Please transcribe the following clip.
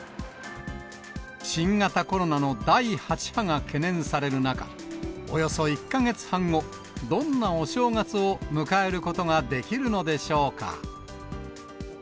新型コロナの第８波が懸念される中、およそ１か月半後、どんなお正月を迎えることができるのでしょうか。